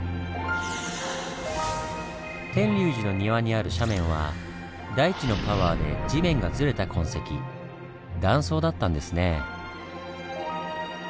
天龍寺の庭にある斜面は大地のパワーで地面がずれた痕跡断層だったんですね。